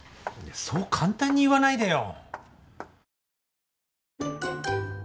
そう簡単に言わないでよ。